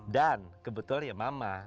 dan kebetulan ya mama